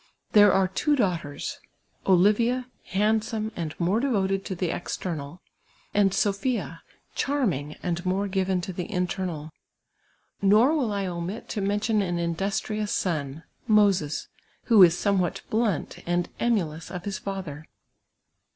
There are trvvo dauj^htt rs, —. Olivia, handsome and more devoted to the external, and {Sophia, charming; and more given to the intenud ; nor will I omit to mention an industrious son, Moses, who is somewhat blunt and emulous of his father.